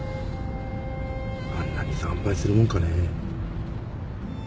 あんなに惨敗するもんかね。